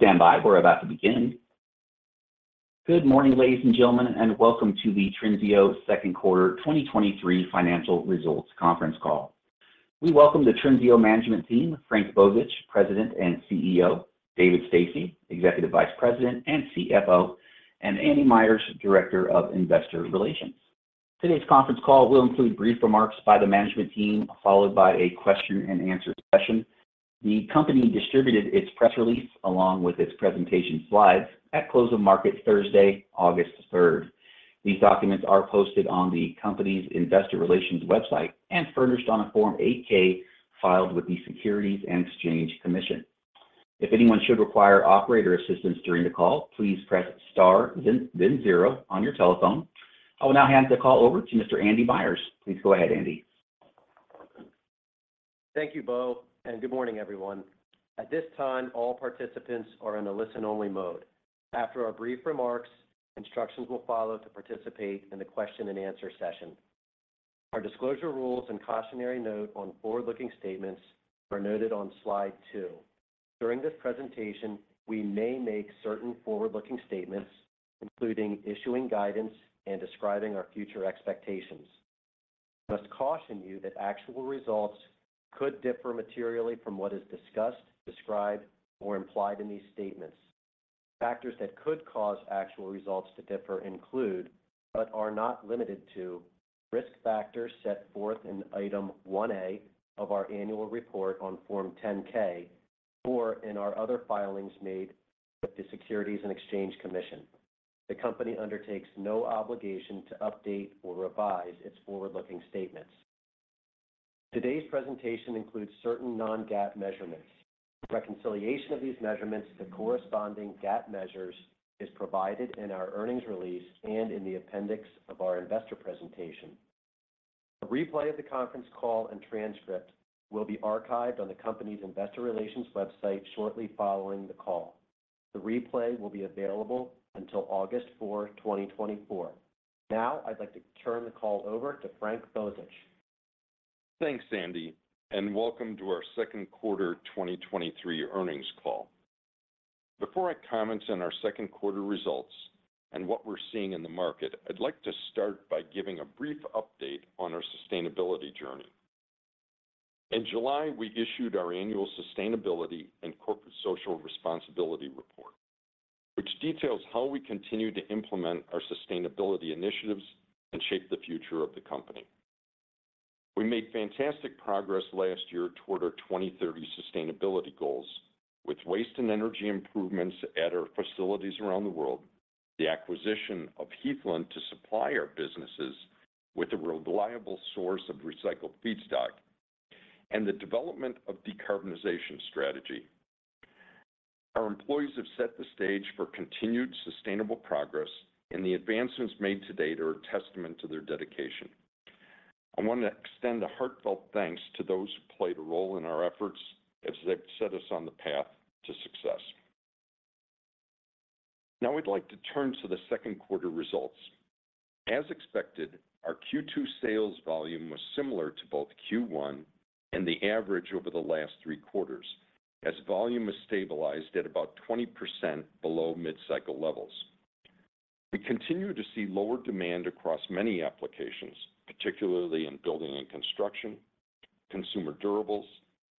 Stand by, we're about to begin. Good morning, ladies and gentlemen, welcome to the Trinseo second quarter 2023 financial results conference call. We welcome the Trinseo management team, Frank Bozich, President and CEO; David Stasek, Executive Vice President and CFO; and Andy Myers, Director of Investor Relations. Today's conference call will include brief remarks by the management team, followed by a question-and-answer session. The company distributed its press release, along with its presentation slides, at close of market Thursday, August 3rd. These documents are posted on the company's investor relations website and furnished on a Form 8-K filed with the Securities and Exchange Commission. If anyone should require operator assistance during the call, please press star, then zero on your telephone. I will now hand the call over to Mr. Andy Myers. Please go ahead, Andy. Thank you, Bo. Good morning, everyone. At this time, all participants are in a listen-only mode. After our brief remarks, instructions will follow to participate in the question-and-answer session. Our disclosure rules and cautionary note on forward-looking statements are noted on slide 2. During this presentation, we may make certain forward-looking statements, including issuing guidance and describing our future expectations. We must caution you that actual results could differ materially from what is discussed, described, or implied in these statements. Factors that could cause actual results to differ include, but are not limited to, risk factors set forth in Item 1A of our annual report on Form 10-K, or in our other filings made with the Securities and Exchange Commission. The company undertakes no obligation to update or revise its forward-looking statements. Today's presentation includes certain non-GAAP measurements. Reconciliation of these measurements to corresponding GAAP measures is provided in our earnings release and in the appendix of our investor presentation. A replay of the conference call and transcript will be archived on the company's investor relations website shortly following the call. The replay will be available until August 4, 2024. Now, I'd like to turn the call over to Frank Bozich. Thanks, Andy, and welcome to our second quarter 2023 earnings call. Before I comment on our second quarter results and what we're seeing in the market, I'd like to start by giving a brief update on our sustainability journey. In July, we issued our annual sustainability and corporate social responsibility report, which details how we continue to implement our sustainability initiatives and shape the future of the company. We made fantastic progress last year toward our 2030 sustainability goals, with waste and energy improvements at our facilities around the world, the acquisition of Heathland to supply our businesses with a reliable source of recycled feedstock, and the development of decarbonization strategy. Our employees have set the stage for continued sustainable progress, and the advancements made to date are a testament to their dedication. I want to extend a heartfelt thanks to those who played a role in our efforts, as they've set us on the path to success. Now, I'd like to turn to the second quarter results. As expected, our Q2 sales volume was similar to both Q1 and the average over the last 3 quarters, as volume has stabilized at about 20% below mid-cycle levels. We continue to see lower demand across many applications, particularly in building and construction, consumer durables,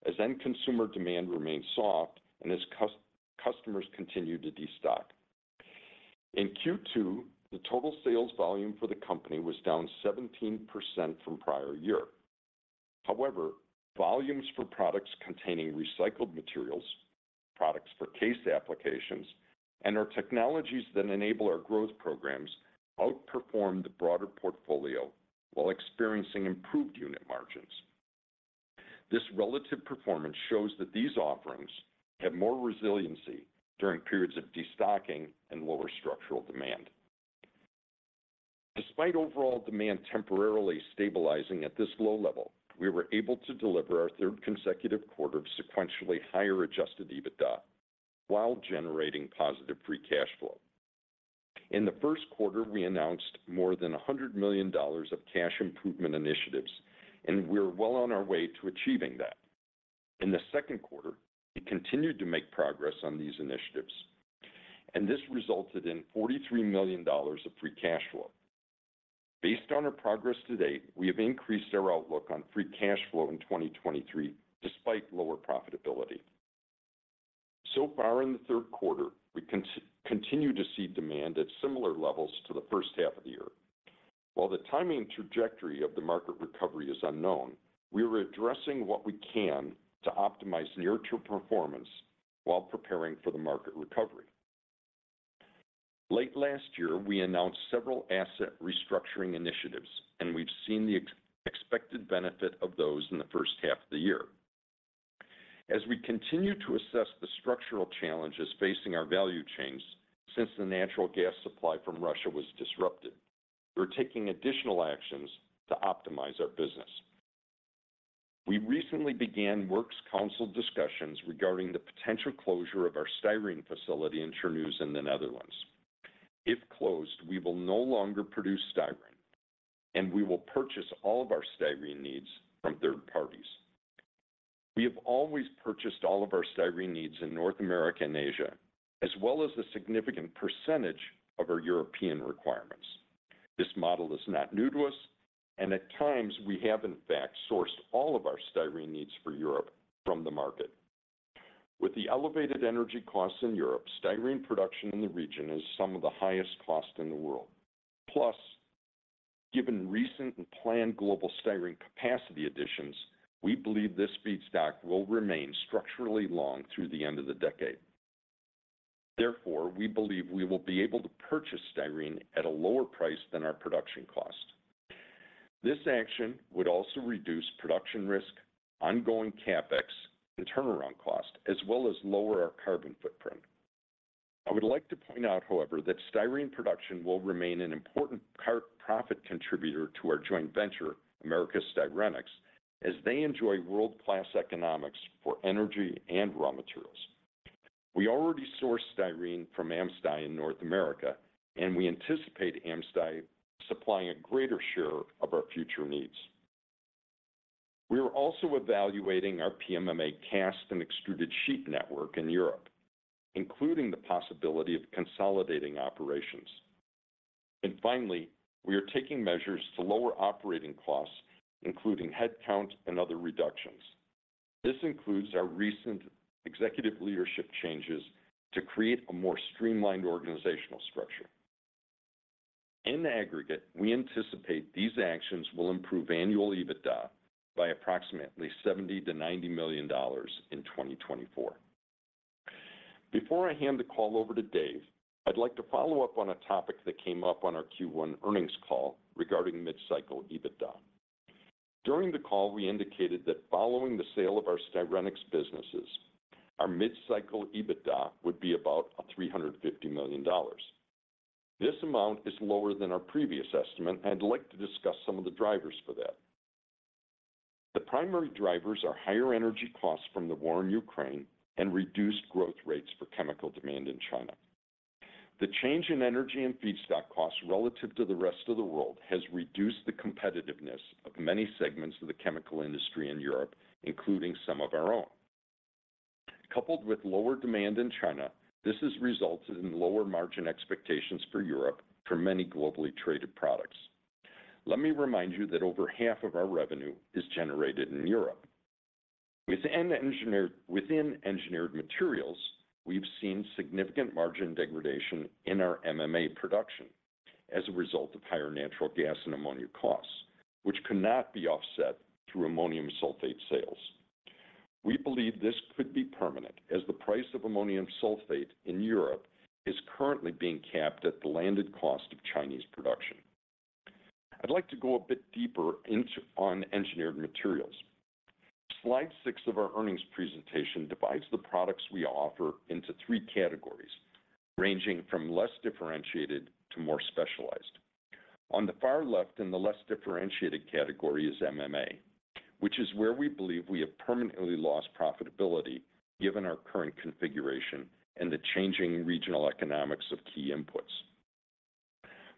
as end consumer demand remains soft and as customers continue to destock. In Q2, the total sales volume for the company was down 17% from prior year. However, volumes for products containing recycled materials, products for CASE applications, and our technologies that enable our growth programs outperformed the broader portfolio while experiencing improved unit margins. This relative performance shows that these offerings have more resiliency during periods of destocking and lower structural demand. Despite overall demand temporarily stabilizing at this low level, we were able to deliver our third consecutive quarter of sequentially higher Adjusted EBITDA, while generating positive free cash flow. In the first quarter, we announced more than $100 million of cash improvement initiatives. We're well on our way to achieving that. In the second quarter, we continued to make progress on these initiatives. This resulted in $43 million of free cash flow. Based on our progress to date, we have increased our outlook on free cash flow in 2023, despite lower profitability. So far in the third quarter, we continue to see demand at similar levels to the H1 of the year. While the timing and trajectory of the market recovery is unknown, we are addressing what we can to optimize near-term performance while preparing for the market recovery. Late last year, we announced several asset restructuring initiatives, and we've seen the expected benefit of those in the H1 of the year. As we continue to assess the structural challenges facing our value chains since the natural gas supply from Russia was disrupted, we're taking additional actions to optimize our business. We recently began works council discussions regarding the potential closure of our styrene facility in Terneuzen in the Netherlands. If closed, we will no longer produce styrene, and we will purchase all of our styrene needs from third parties. We have always purchased all of our styrene needs in North America and Asia, as well as a significant percentage of our European requirements. This model is not new to us, and at times, we have in fact sourced all of our styrene needs for Europe from the market. With the elevated energy costs in Europe, styrene production in the region is some of the highest cost in the world. Plus, given recent and planned global styrene capacity additions, we believe this feedstock will remain structurally long through the end of the decade. Therefore, we believe we will be able to purchase styrene at a lower price than our production cost. This action would also reduce production risk, ongoing CapEx, and turnaround costs, as well as lower our carbon footprint. I would like to point out, however, that styrene production will remain an important profit contributor to our joint venture, Americas Styrenics, as they enjoy world-class economics for energy and raw materials. We already source styrene from AmSty in North America, and we anticipate AmSty supplying a greater share of our future needs. We are also evaluating our PMMA cast and extruded sheet network in Europe, including the possibility of consolidating operations. Finally, we are taking measures to lower operating costs, including headcount and other reductions. This includes our recent executive leadership changes to create a more streamlined organizational structure. In aggregate, we anticipate these actions will improve annual EBITDA by approximately $70 million-$90 million in 2024. Before I hand the call over to Dave, I'd like to follow up on a topic that came up on our Q1 earnings call regarding mid-cycle EBITDA. During the call, we indicated that following the sale of our Styrenics businesses, our mid-cycle EBITDA would be about $350 million. This amount is lower than our previous estimate, and I'd like to discuss some of the drivers for that. The primary drivers are higher energy costs from the war in Ukraine and reduced growth rates for chemical demand in China. The change in energy and feedstock costs relative to the rest of the world has reduced the competitiveness of many segments of the chemical industry in Europe, including some of our own. Coupled with lower demand in China, this has resulted in lower margin expectations for Europe for many globally traded products. Let me remind you that over half of our revenue is generated in Europe. Within engineered materials, we've seen significant margin degradation in our MMA production as a result of higher natural gas and ammonia costs, which cannot be offset through ammonium sulfate sales. We believe this could be permanent, as the price of ammonium sulfate in Europe is currently being capped at the landed cost of Chinese production. I'd like to go a bit deeper into on Engineered Materials. Slide 6 of our earnings presentation divides the products we offer into 3 categories, ranging from less differentiated to more specialized. On the far left, in the less differentiated category, is MMA, which is where we believe we have permanently lost profitability, given our current configuration and the changing regional economics of key inputs.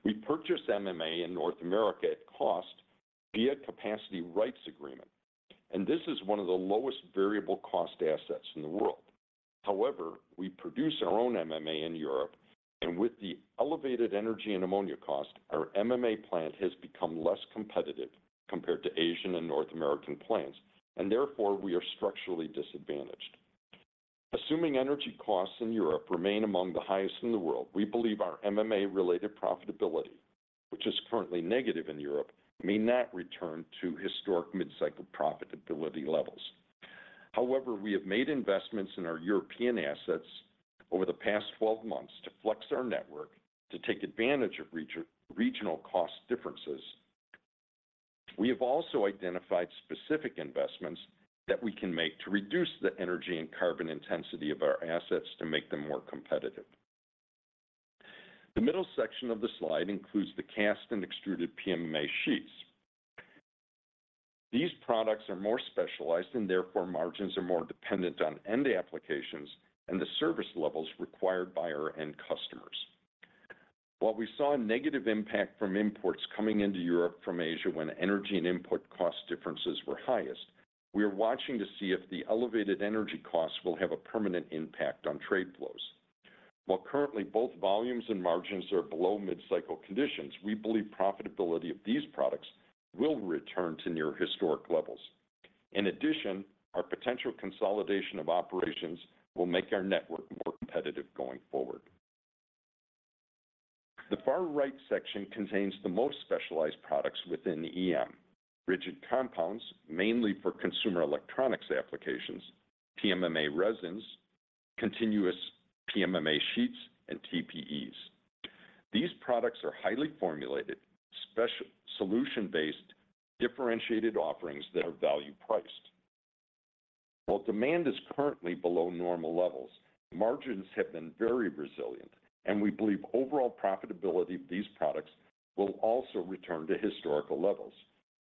We purchase MMA in North America at cost via capacity rights agreement. This is one of the lowest variable cost assets in the world. However, we produce our own MMA in Europe, and with the elevated energy and ammonia cost, our MMA plant has become less competitive compared to Asian and North American plants, and therefore, we are structurally disadvantaged. Assuming energy costs in Europe remain among the highest in the world, we believe our MMA-related profitability, which is currently negative in Europe, may not return to historic mid-cycle profitability levels. However, we have made investments in our European assets over the past 12 months to flex our network to take advantage of regional cost differences. We have also identified specific investments that we can make to reduce the energy and carbon intensity of our assets to make them more competitive. The middle section of the slide includes the cast and extruded PMMA sheets. These products are more specialized, and therefore margins are more dependent on end applications and the service levels required by our end customers. While we saw a negative impact from imports coming into Europe from Asia, when energy and input cost differences were highest, we are watching to see if the elevated energy costs will have a permanent impact on trade flows. While currently both volumes and margins are below mid-cycle conditions, we believe profitability of these products will return to near historic levels. In addition, our potential consolidation of operations will make our network more competitive going forward. The far right section contains the most specialized products within EM: rigid compounds, mainly for consumer electronics applications, PMMA resins, continuous PMMA sheets, and TPEs. These products are highly formulated, solution-based, differentiated offerings that are value priced. While demand is currently below normal levels, margins have been very resilient, and we believe overall profitability of these products will also return to historical levels.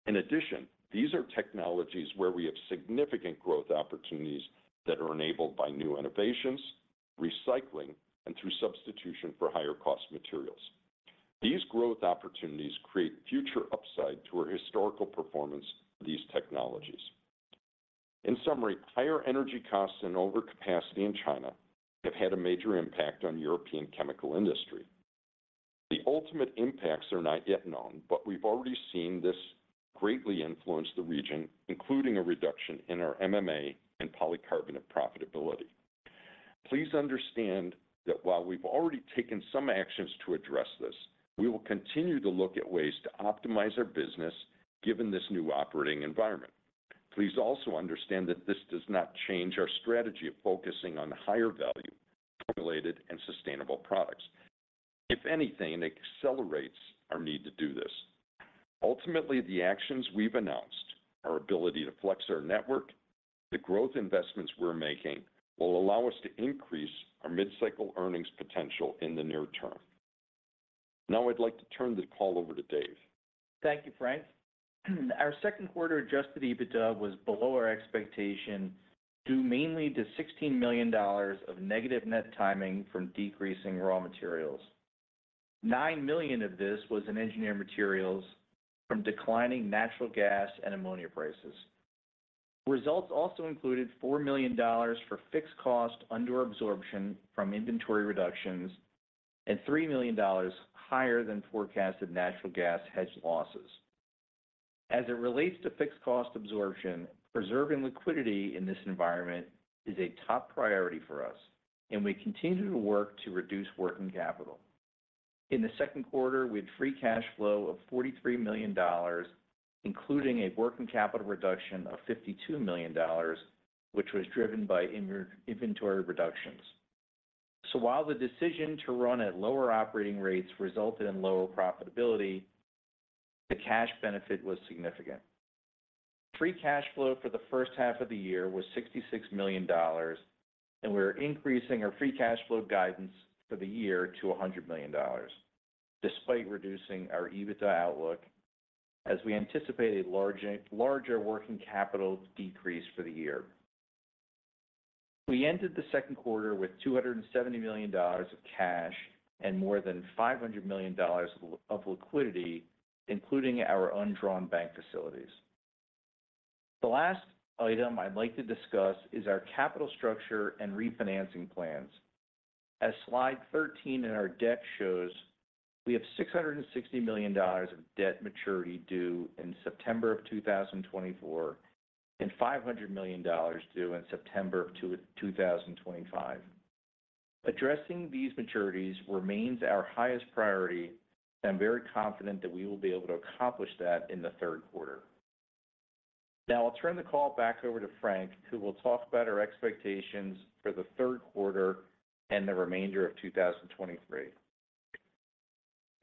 In addition, these are technologies where we have significant growth opportunities that are enabled by new innovations, recycling, and through substitution for higher-cost materials. These growth opportunities create future upside to our historical performance of these technologies. In summary, higher energy costs and overcapacity in China have had a major impact on European chemical industry. The ultimate impacts are not yet known, but we've already seen this greatly influence the region, including a reduction in our MMA and polycarbonate profitability. Please understand that while we've already taken some actions to address this, we will continue to look at ways to optimize our business, given this new operating environment. Please also understand that this does not change our strategy of focusing on higher value, populated, and sustainable products. If anything, it accelerates our need to do this. Ultimately, the actions we've announced, our ability to flex our network, the growth investments we're making, will allow us to increase our mid-cycle earnings potential in the near term. Now, I'd like to turn the call over to Dave. Thank you, Frank. Our second quarter Adjusted EBITDA was below our expectation, due mainly to $16 million of negative net timing from decreasing raw materials. $9 million of this was in Engineered Materials from declining natural gas and ammonia prices. Results also included $4 million for fixed cost under absorption from inventory reductions, and $3 million higher than forecasted natural gas hedge losses. As it relates to fixed cost absorption, preserving liquidity in this environment is a top priority for us, and we continue to work to reduce working capital. In the second quarter, we had free cash flow of $43 million, including a working capital reduction of $52 million, which was driven by inventory reductions. While the decision to run at lower operating rates resulted in lower profitability, the cash benefit was significant. Free cash flow for the H1 of the year was $66 million, we're increasing our free cash flow guidance for the year to $100 million, despite reducing our EBITDA outlook, as we anticipate a larger, larger working capital decrease for the year. We ended the second quarter with $270 million of cash and more than $500 million of liquidity, including our undrawn bank facilities. The last item I'd like to discuss is our capital structure and refinancing plans. As slide 13 in our deck shows, we have $660 million of debt maturity due in September of 2024, and $500 million due in September of 2025. Addressing these maturities remains our highest priority, and I'm very confident that we will be able to accomplish that in the third quarter. Now, I'll turn the call back over to Frank, who will talk about our expectations for the third quarter and the remainder of 2023.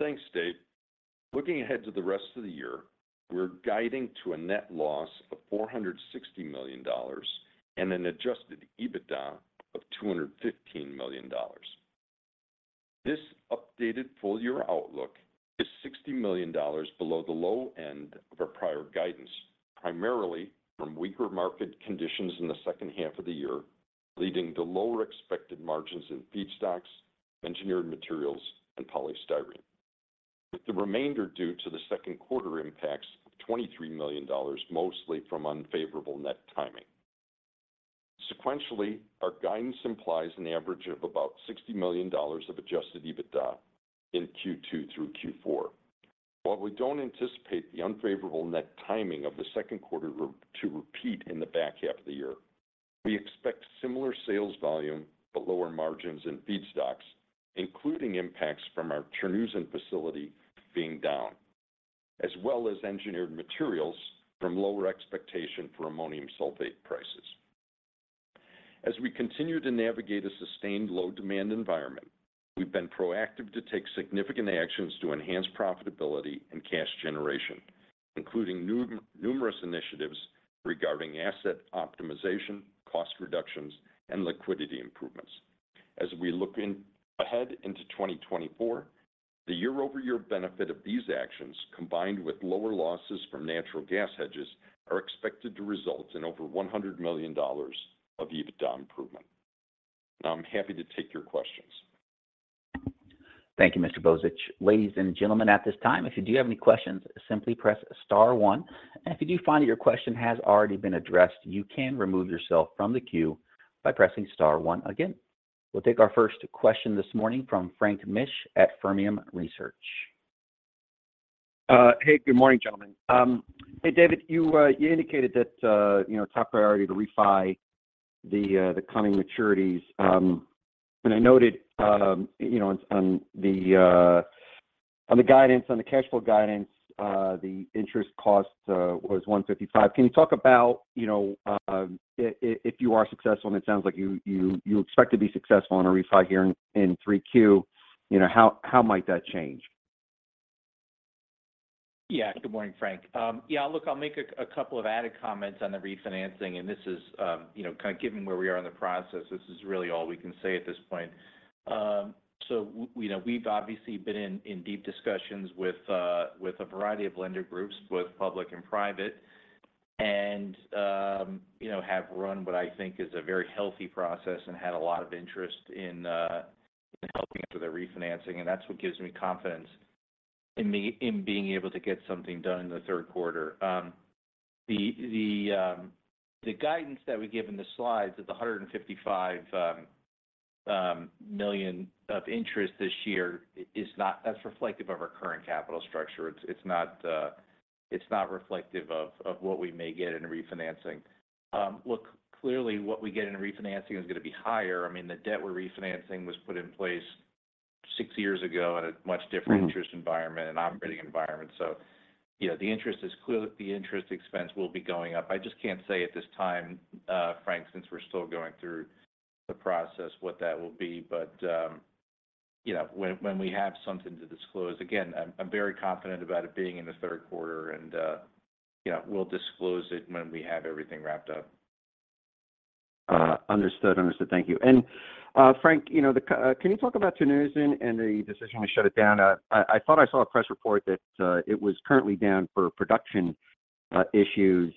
Thanks, Dave. Looking ahead to the rest of the year, we're guiding to a net loss of $460 million and an Adjusted EBITDA of $215 million. This updated full-year outlook is $60 million below the low end of our prior guidance, primarily from weaker market conditions in the second half of the year, leading to lower expected margins in feedstocks, Engineered Materials, and polystyrene. With the remainder due to the second quarter impacts of $23 million, mostly from unfavorable net timing. Sequentially, our guidance implies an average of about $60 million of Adjusted EBITDA in Q2 through Q4. While we don't anticipate the unfavorable net timing of the second quarter to repeat in the back half of the year, we expect similar sales volume but lower margins in feedstocks, including impacts from our Cernusco facility being down, as well as Engineered Materials from lower expectation for ammonium sulfate prices. We continue to navigate a sustained low-demand environment, we've been proactive to take significant actions to enhance profitability and cash generation, including numerous initiatives regarding asset optimization, cost reductions, and liquidity improvements. We look ahead into 2024, the year-over-year benefit of these actions, combined with lower losses from natural gas hedges, are expected to result in over $100 million of EBITDA improvement. I'm happy to take your questions. Thank you, Mr. Bozich. Ladies and gentlemen, at this time, if you have any questions, simply press star one, and if you do find that your question has already been addressed, you can remove yourself from the queue by pressing star one again. We'll take our first question this morning from Frank Mitsch at Fermium Research. Hey, good morning, gentlemen. Hey, David, you indicated that, you know, top priority to refi the coming maturities. I noted, you know, on, on the guidance, on the cash flow guidance, the interest cost was $155. Can you talk about, you know, if you are successful, and it sounds like you, you, you expect to be successful on a refi here in, in three Q, you know, how, how might that change? Yeah. Good morning, Frank. Yeah, look, I'll make a couple of added comments on the refinancing, and this is, you know, kind of given where we are in the process, this is really all we can say at this point. We've obviously been in, in deep discussions with a variety of lender groups, both public and private. You know, have run what I think is a very healthy process and had a lot of interest in helping with the refinancing, and that's what gives me confidence in being able to get something done in the third quarter. The, the, the guidance that we give in the slides, at the $155 million of interest this year, is not as reflective of our current capital structure. It's, it's not, it's not reflective of, of what we may get in refinancing. Look, clearly, what we get in refinancing is gonna be higher. I mean, the debt we're refinancing was put in place six years ago in a much different- Mm-hmm... interest environment and operating environment. You know, the interest is clear- the interest expense will be going up. I just can't say at this time, Frank, since we're still going through the process, what that will be. You know, when, when we have something to disclose... Again, I'm, I'm very confident about it being in the third quarter, and, you know, we'll disclose it when we have everything wrapped up. Understood. Understood. Thank you. Frank, you know, can you talk about Terneuzen and the decision to shut it down? I, I thought I saw a press report that it was currently down for production issues.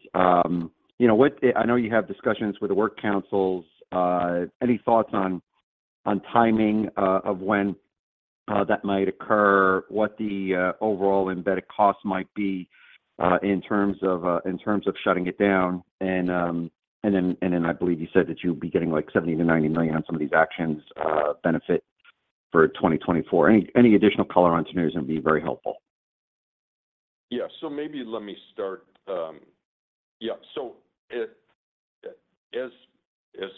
You know, what, I know you have discussions with the works council, any thoughts on, on timing of when that might occur? What the overall embedded costs might be in terms of in terms of shutting it down? And then I believe you said that you'll be getting, like, $70 million-$90 million on some of these actions, benefit for 2024. Any, any additional color on Terneuzen would be very helpful. Yeah. Maybe let me start. Yeah, so it, as, as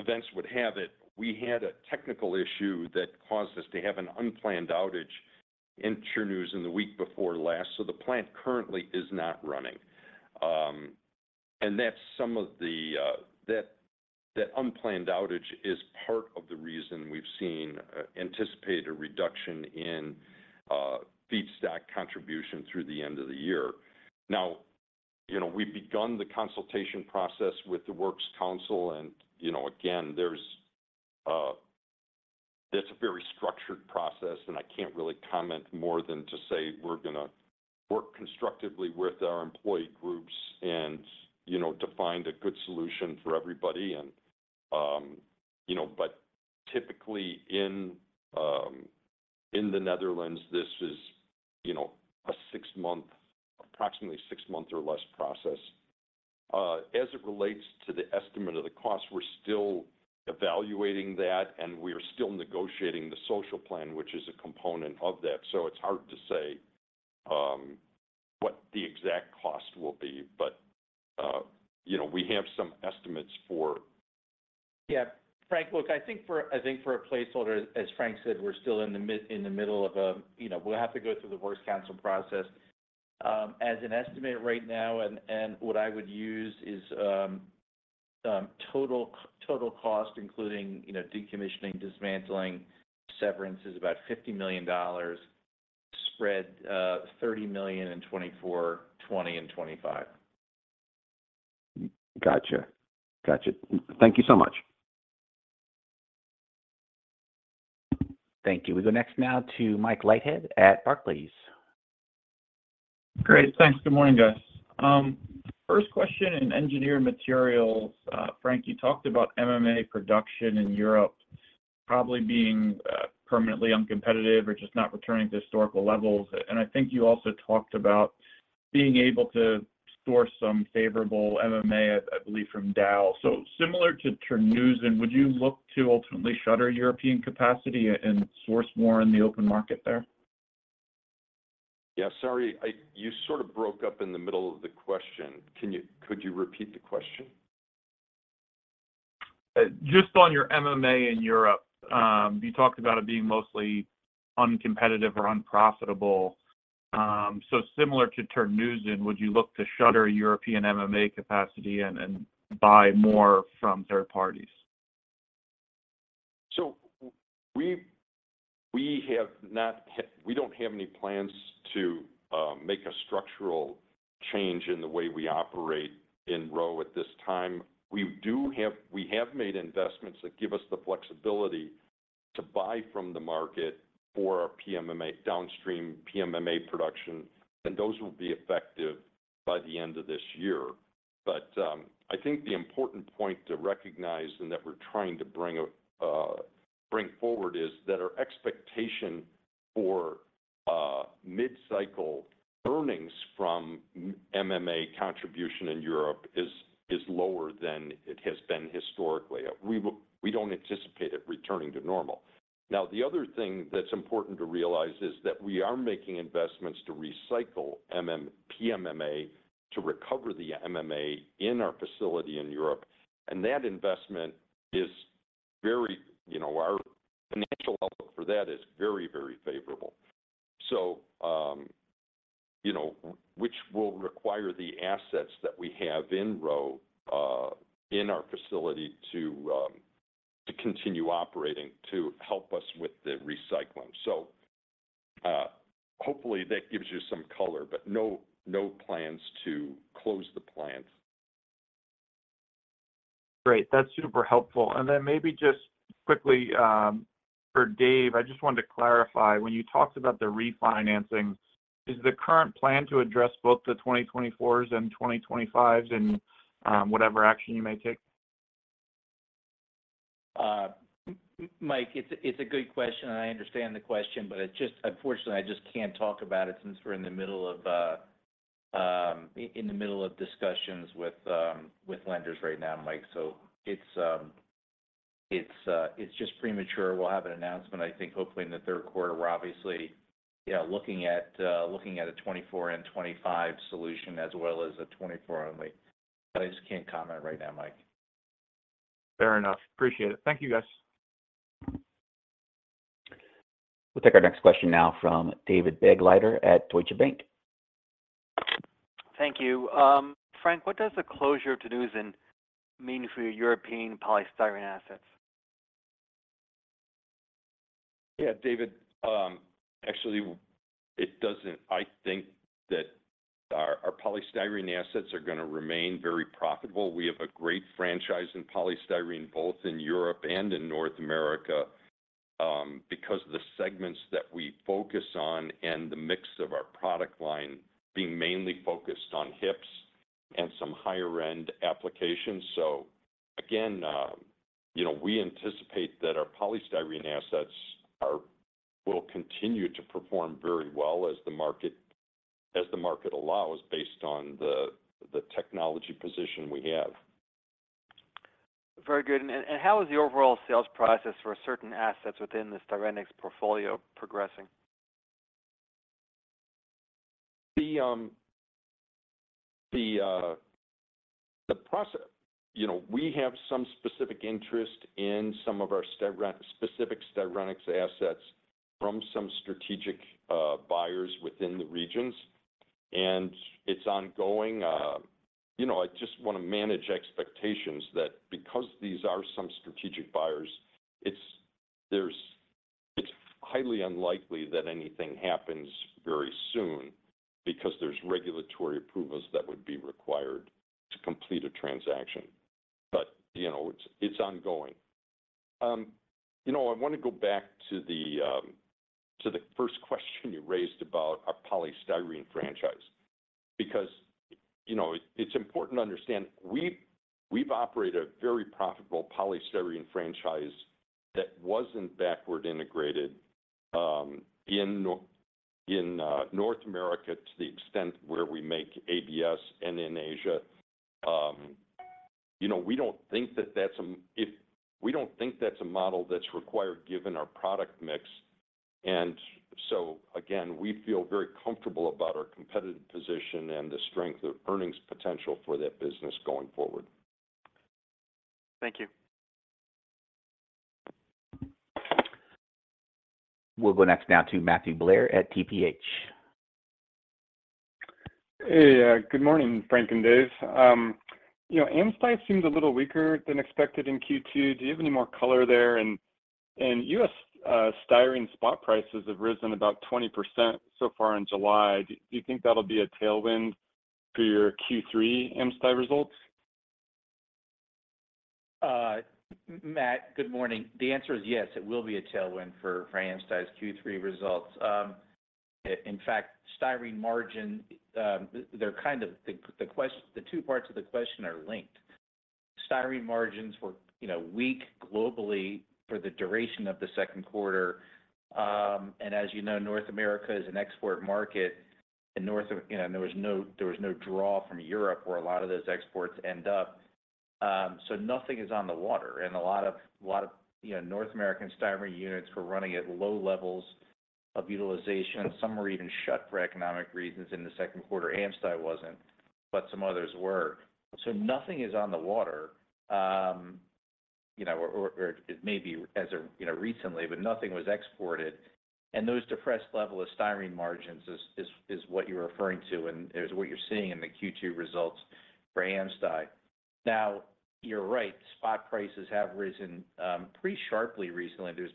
events would have it, we had a technical issue that caused us to have an unplanned outage in Terneuzen the week before last, so the plant currently is not running. That's some of the, that, that unplanned outage is part of the reason we've seen, anticipated a reduction in, feedstock contribution through the end of the year. Now, you know, we've begun the consultation process with the works council, and, you know, again, there's, that's a very structured process, and I can't really comment more than to say we're gonna work constructively with our employee groups and, you know, to find a good solution for everybody. You know, typically in, in the Netherlands, this is, you know, a six-month approximately six-month or less process. As it relates to the estimate of the cost, we're still evaluating that, and we are still negotiating the social plan, which is a component of that, so it's hard to say what the exact cost will be. You know, we have some estimates for- Yeah. Frank, look, I think for, I think for a placeholder, as Frank said, we're still in the mid- in the middle of a... You know, we'll have to go through the works council process. As an estimate right now, and, and what I would use is total, total cost, including, you know, decommissioning, dismantling, severance, is about $50 million, spread, $30 million in 2024, $20 million in 2025. Gotcha. Gotcha. Thank you so much. Thank you. We go next now to Mike Leithead at Barclays. Great. Thanks. Good morning, guys. First question in Engineered Materials. Frank, you talked about MMA production in Europe probably being permanently uncompetitive or just not returning to historical levels. I think you also talked about being able to source some favorable MMA, I, I believe, from Dow. Similar to Terneuzen, would you look to ultimately shutter European capacity and source more in the open market there? Yeah. Sorry, you sort of broke up in the middle of the question. Could you repeat the question? Just on your MMA in Europe, you talked about it being mostly uncompetitive or unprofitable. Similar to Terneuzen, would you look to shutter European MMA capacity and buy more from third parties? We don't have any plans to make a structural change in the way we operate in Rho at this time. We have made investments that give us the flexibility to buy from the market for our downstream PMMA production, and those will be effective by the end of this year. I think the important point to recognize, and that we're trying to bring a bring forward, is that our expectation for mid-cycle earnings from MMA contribution in Europe is, is lower than it has been historically. We don't anticipate it returning to normal. The other thing that's important to realize is that we are making investments to recycle PMMA, to recover the MMA in our facility in Europe, and that investment is very... You know, our financial outlook for that is very, very favorable. You know, which will require the assets that we have in Rho, in our facility to continue operating, to help us with the recycling. Hopefully, that gives you some color, but no, no plans to close the plant. Great, that's super helpful. Then maybe just quickly, for Dave, I just wanted to clarify, when you talked about the refinancing, is the current plan to address both the 2024s and 2025s in, whatever action you may take? Mike, it's a good question, and I understand the question, but it's just unfortunately, I just can't talk about it since we're in the middle of discussions with lenders right now, Mike. It's just premature. We'll have an announcement, I think, hopefully in the third quarter. We're obviously, yeah, looking at looking at a 2024 and 2025 solution, as well as a 2024 only. I just can't comment right now, Mike. Fair enough. Appreciate it. Thank you, guys. We'll take our next question now from David Begleiter at Deutsche Bank. Thank you. Frank, what does the closure of Terneuzen mean for your European polystyrene assets? Yeah, David, actually it doesn't. I think that our, our polystyrene assets are gonna remain very profitable. We have a great franchise in polystyrene, both in Europe and in North America, because of the segments that we focus on and the mix of our product line being mainly focused on HIPS and some higher-end applications. Again, you know, we anticipate that our polystyrene assets will continue to perform very well as the market, as the market allows, based on the, the technology position we have. Very good. How is the overall sales process for certain assets within the Styrenics portfolio progressing? The, you know, we have some specific interest in some of our specific Styrenics assets from some strategic buyers within the regions, and it's ongoing. You know, I just wanna manage expectations that because these are some strategic buyers, it's highly unlikely that anything happens very soon, because there's regulatory approvals that would be required to complete a transaction. You know, it's, it's ongoing. You know, I want to go back to the first question you raised about our polystyrene franchise, because, you know, it, it's important to understand, we've operated a very profitable polystyrene franchise that wasn't backward integrated in North America, to the extent where we make ABS and in Asia. You know, we don't think that that's a if... We don't think that's a model that's required, given our product mix. So again, we feel very comfortable about our competitive position and the strength of earnings potential for that business going forward. Thank you. We'll go next now to Matthew Blair at TPH. Hey, good morning, Frank and Dave. You know, AmSty seems a little weaker than expected in Q2. Do you have any more color there? U.S. styrene spot prices have risen about 20% so far in July. Do you think that'll be a tailwind for your Q3 AmSty results? Matt, good morning. The answer is yes, it will be a tailwind for AmSty's Q3 results. In fact, styrene margin, they're kind of the, the two parts of the question are linked. Styrene margins were, you know, weak globally for the duration of the second quarter. As you know, North America is an export market. You know, there was no, there was no draw from Europe, where a lot of those exports end up. Nothing is on the water, and a lot of, lot of, you know, North American styrene units were running at low levels of utilization, and some were even shut for economic reasons in the second quarter. AmSty wasn't, but some others were. Nothing is on the water, you know, or, or, or it may be as a, you know, recently, but nothing was exported. Those depressed level of styrene margins is, is, is what you're referring to, and is what you're seeing in the Q2 results for AmSty. You're right, spot prices have risen, pretty sharply recently. There's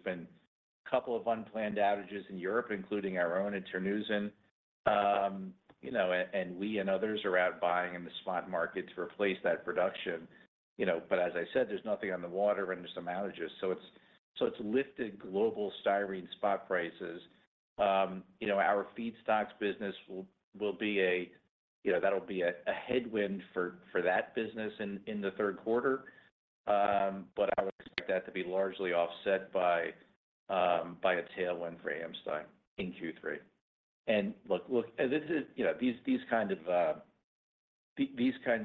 been a couple of unplanned outages in Europe, including our own in Terneuzen. You know, and we and others are out buying in the spot market to replace that production. You know, as I said, there's nothing on the water and there's some outages, so it's, so it's lifted global styrene spot prices. You know, our feedstocks business will be a, you know, that'll be a headwind for that business in the third quarter. I would expect that to be largely offset by a tailwind for AmSty in Q3. Look, look, this is... You know, these kinds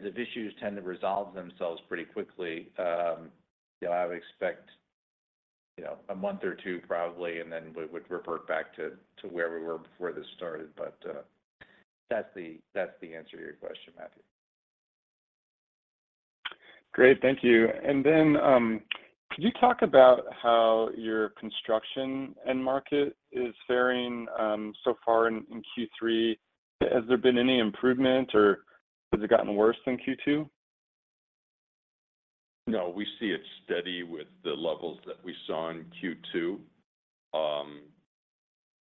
of issues tend to resolve themselves pretty quickly. You know, I would expect, you know, a month or two probably, and then we would revert back to where we were before this started. That's the answer to your question, Matthew. Great, thank you. Could you talk about how your construction end market is faring, so far in, in Q3? Has there been any improvement, or has it gotten worse than Q2? No, we see it steady with the levels that we saw in Q2.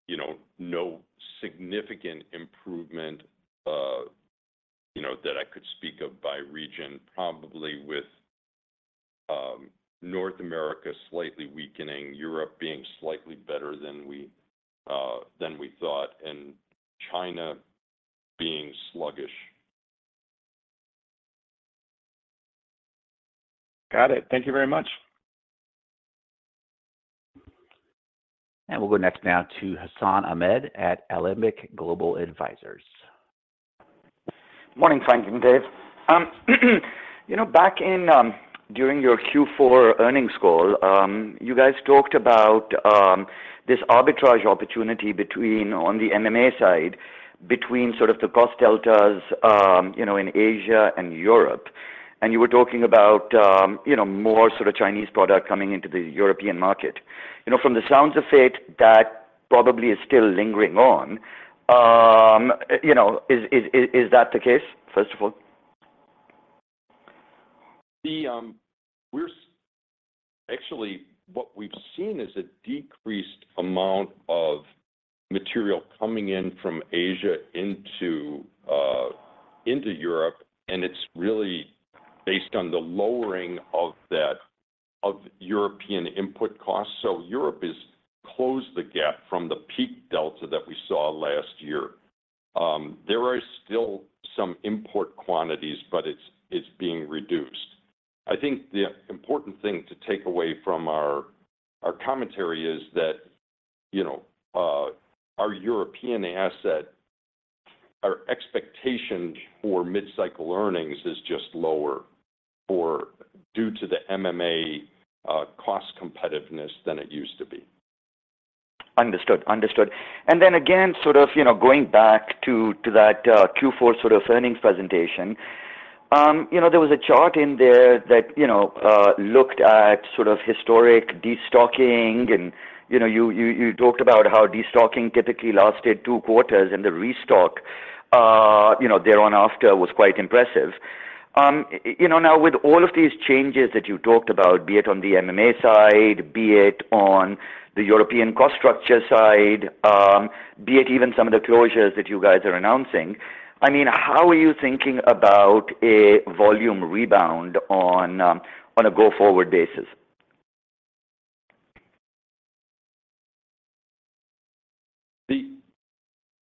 you know, no significant improvement, you know, that I could speak of by region, probably with, North America slightly weakening, Europe being slightly better than we, than we thought, and China being sluggish. Got it. Thank you very much. We'll go next now to Hassan Ahmed at Alembic Global Advisors. Morning, Frank and Dave. you know, back in, during your Q4 earnings call, you guys talked about, this arbitrage opportunity between, on the MMA side, between sort of the cost deltas, you know, in Asia and Europe. You were talking about, you know, more sort of Chinese product coming into the European market. You know, from the sounds of it, that probably is still lingering on. you know, is, is, is that the case, first of all? The actually, what we've seen is a decreased amount of material coming in from Asia into Europe, and it's really based on the lowering of that, of European input costs. Europe has closed the gap from the peak delta that we saw last year. There are still some import quantities, but it's, it's being reduced. I think the important thing to take away from our, our commentary is that, you know, our European asset, our expectation for mid-cycle earnings is just lower due to the MMA cost competitiveness than it used to be. Understood. Understood. Then again, sort of, you know, going back to, to that Q4 sort of earnings presentation, you know, there was a chart in there that, you know, looked at sort of historic destocking. You know, you, you, you talked about how destocking typically lasted two quarters, and the restock, you know, thereon after was quite impressive. You know, now, with all of these changes that you talked about, be it on the MMA side, be it on the European cost structure side, be it even some of the closures that you guys are announcing, I mean, how are you thinking about a volume rebound on a go-forward basis?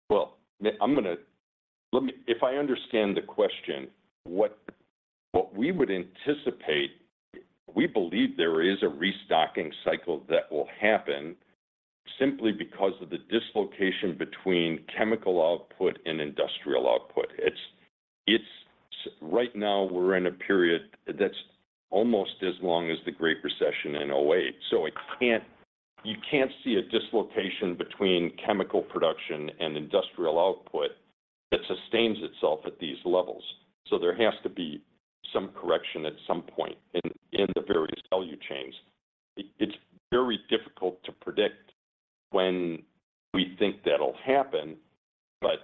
Well, let me if I understand the question, what, what we would anticipate, we believe there is a restocking cycle that will happen simply because of the dislocation between chemical output and industrial output. It's, it's right now, we're in a period that's almost as long as the Great Recession in 2008, so you can't see a dislocation between chemical production and industrial output that sustains itself at these levels. There has to be some correction at some point in, in the various value chains. It, it's very difficult to predict when we think that'll happen, but,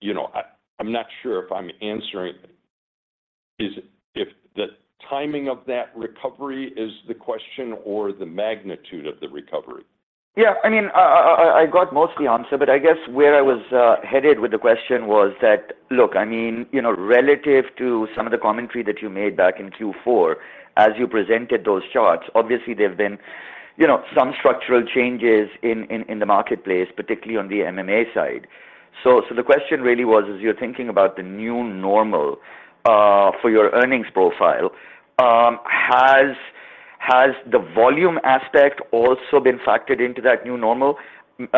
you know, I, I'm not sure if I'm answering. Is if the timing of that recovery is the question or the magnitude of the recovery? Yeah. I mean, I, I, I got most of the answer, but I guess where I was headed with the question was that, look, I mean, you know, relative to some of the commentary that you made back in Q4, as you presented those charts, obviously there have been, you know, some structural changes in, in, in the marketplace, particularly on the MMA side. The question really was, as you're thinking about the new normal, for your earnings profile, has, has the volume aspect also been factored into that new normal?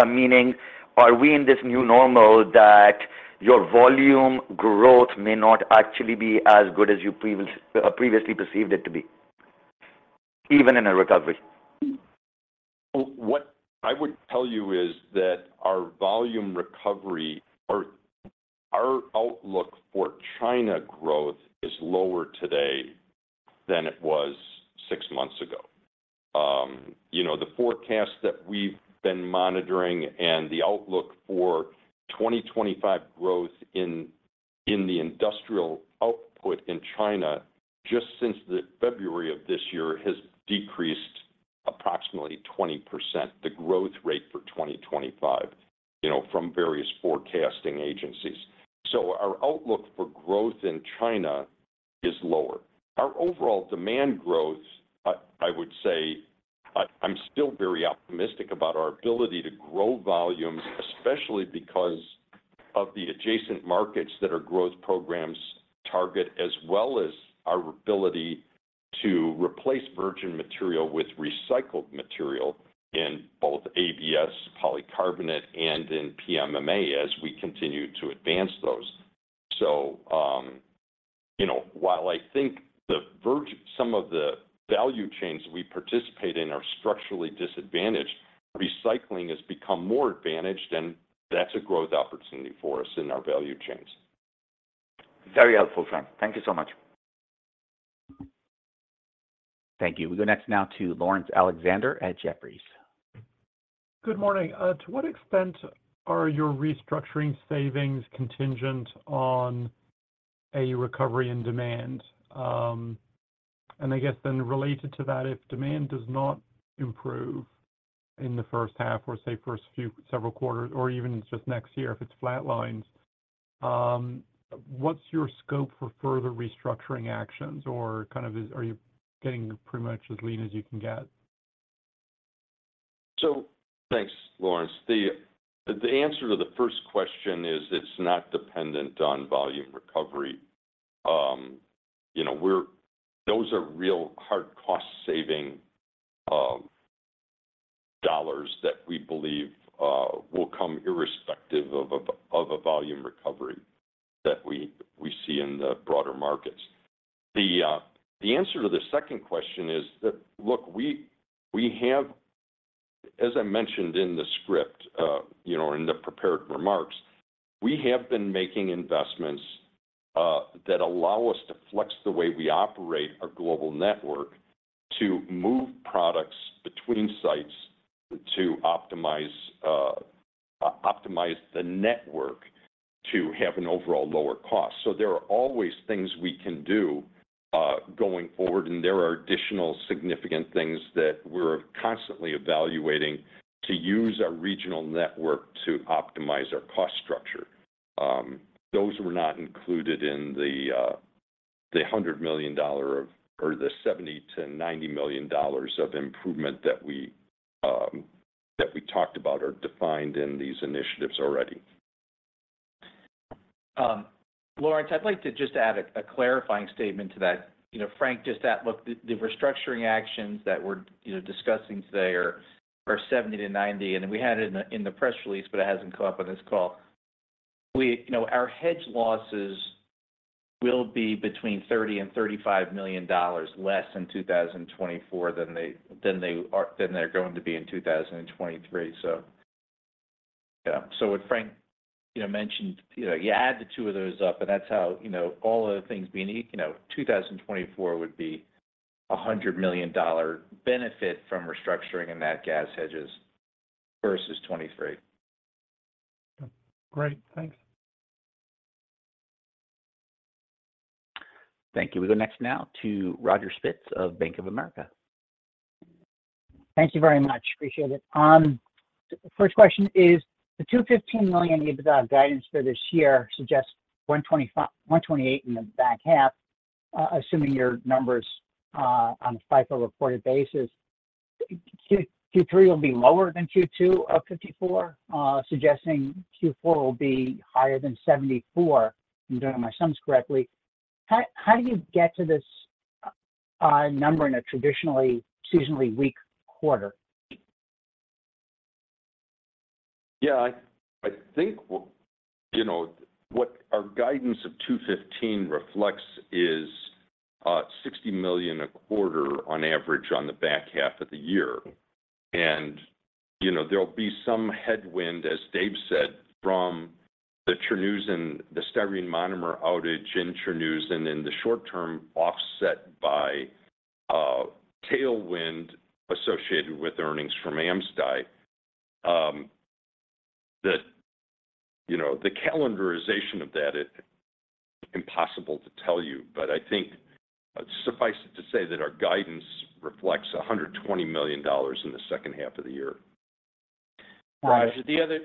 Meaning, are we in this new normal that your volume growth may not actually be as good as you previously perceived it to be, even in a recovery? What I would tell you is that our volume recovery or our outlook for China growth is lower today than it was six months ago. you know, the forecast that we've been monitoring and the outlook for 2025 growth in, in the industrial output in China, just since the February of this year, has decreased approximately 20%, the growth rate for 2025, you know, from various forecasting agencies. Our outlook for growth in China is lower. Our overall demand growth, I, I would say, I, I'm still very optimistic about our ability to grow volumes, especially because of the adjacent markets that our growth programs target, as well as our ability to replace virgin material with recycled material in both ABS, polycarbonate, and in PMMA as we continue to advance those. You know, while I think the some of the value chains we participate in are structurally disadvantaged, recycling has become more advantaged, and that's a growth opportunity for us in our value chains. Very helpful, Frank. Thank you so much. Thank you. We go next now to Laurence Alexander at Jefferies. Good morning. To what extent are your restructuring savings contingent on a recovery in demand? I guess then related to that, if demand does not improve in the H1 or, say, first few several quarters or even just next year, if it's flat lines, what's your scope for further restructuring actions? Or kind of are you getting pretty much as lean as you can get? Thanks, Lawrence. The answer to the first question is it's not dependent on volume recovery. You know, those are real hard cost-saving dollars that we believe will come irrespective of a volume recovery that we see in the broader markets. The answer to the second question is that, look, we have, as I mentioned in the script, you know, in the prepared remarks, we have been making investments that allow us to flex the way we operate our global network to move products between sites to optimize the network to have an overall lower cost. There are always things we can do going forward, and there are additional significant things that we're constantly evaluating to use our regional network to optimize our cost structure. Those were not included in the, the $100 million of or the $70 million-$90 million of improvement that we, that we talked about or defined in these initiatives already. Lawrence, I'd like to just add a clarifying statement to that. You know, Frank, just that, look, the restructuring actions that we're, you know, discussing today are $70 million-$90 million, and we had it in the press release, but it hasn't come up on this call. You know, our hedge losses will be between $30 million and $35 million less in 2024 than they, than they are, than they're going to be in 2023. Yeah. What Frank, you know, mentioned, you know, you add the two of those up, and that's how, you know, all of the things we need. You know, 2024 would be a $100 million benefit from restructuring and that gas hedges versus 2023. Great. Thanks. Thank you. We go next now to Roger Spitz of Bank of America. Thank you very much. Appreciate it. First question is: the $215 million EBITDA guidance for this year suggests $128 in the back half, assuming your numbers, on a FIFO reported basis. Q3 will be lower than Q2 of $54, suggesting Q4 will be higher than $74, if I'm doing my sums correctly. How do you get to this number in a traditionally seasonally weak quarter? Yeah, I, I think, you know, what our guidance of $215 million reflects is, $60 million a quarter on average on the back half of the year. You know, there'll be some headwind, as Dave said, from the Cernusco and the styrene monomer outage in Cernusco, and in the short term, offset by a tailwind associated with earnings from AmSty. The, you know, the calendarization of that, impossible to tell you, but I think suffice it to say that our guidance reflects $120 million in the second half of the year. Roger, the other,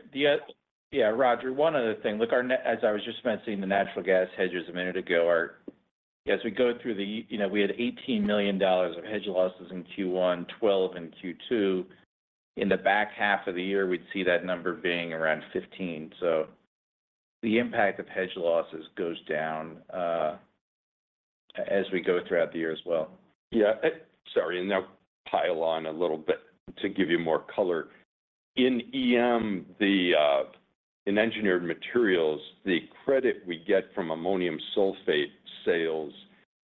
yeah, Roger, one other thing. Look, as I was just mentioning, the natural gas hedges a minute ago are, as we go through the you know, we had $18 million of hedge losses in Q1, $12 million in Q2. In the back half of the year, we'd see that number being around $15 million. The impact of hedge losses goes down as we go throughout the year as well. Yeah. sorry, I'll pile on a little bit to give you more color. In EM, the in Engineered Materials, the credit we get from ammonium sulfate sales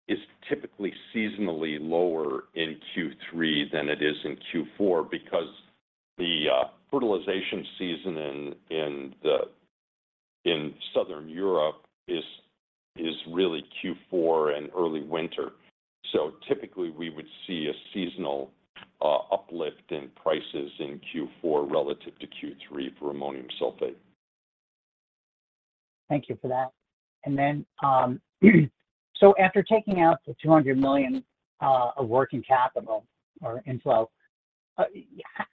is typically seasonally lower in Q3 than it is in Q4 because the fertilization season in, in the, in Southern Europe is, is really Q4 and early winter. typically, we would see a seasonal uplift in prices in Q4 relative to Q3 for ammonium sulfate. Thank you for that.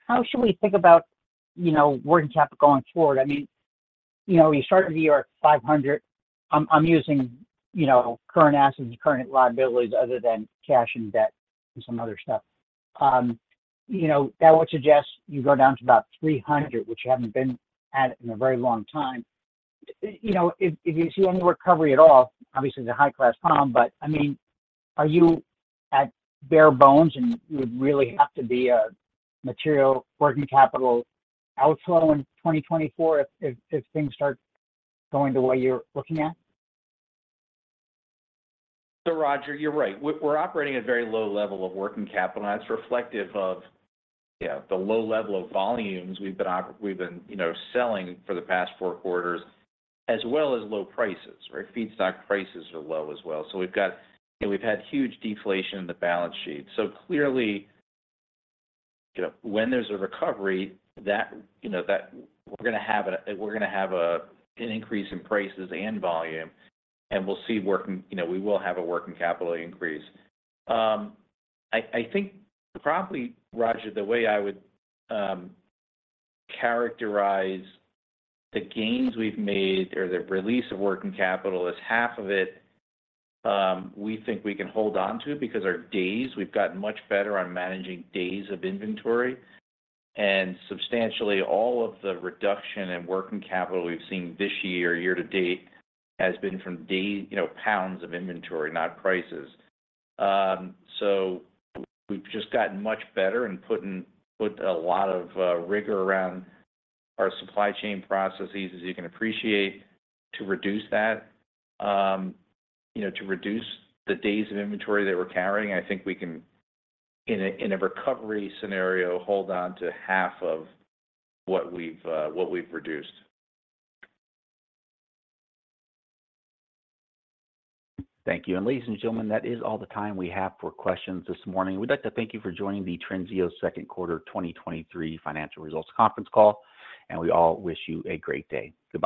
How should we think about, you know, working capital going forward? I mean, you know, you started the year at $500. I'm, I'm using, you know, current assets and current liabilities other than cash and debt and some other stuff. You know, that would suggest you go down to about $300, which you haven't been at in a very long time. You know, if, if you see any recovery at all, obviously, it's a high-class problem, but, I mean, are you at bare bones, and you would really have to be a material working capital outflow in 2024 if, if, if things start going the way you're looking at? Roger, you're right. We're operating at a very low level of working capital, and that's reflective of, yeah, the low level of volumes we've been selling for the past four quarters, as well as low prices, right? Feedstock prices are low as well. You know, we've had huge deflation in the balance sheet. Clearly, you know, when there's a recovery, that we're gonna have an increase in prices and volume, and we'll see, you know, we will have a working capital increase. I, I think probably, Roger, the way I would characterize the gains we've made or the release of working capital is half of it, we think we can hold on to, because our days, we've gotten much better on managing days of inventory. Substantially, all of the reduction in working capital we've seen this year, year to date, has been from day, you know, pounds of inventory, not prices. So we've just gotten much better and putting, put a lot of rigor around our supply chain processes, as you can appreciate, to reduce that. You know, to reduce the days of inventory that we're carrying, I think we can, in a, in a recovery scenario, hold on to half of what we've, what we've reduced. Thank you. Ladies and gentlemen, that is all the time we have for questions this morning. We'd like to thank you for joining the Trinseo Second Quarter 2023 Financial Results Conference Call. We all wish you a great day.